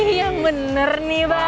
iya bener nih pak